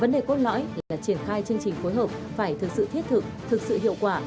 vấn đề cốt lõi là triển khai chương trình phối hợp phải thực sự thiết thực thực sự hiệu quả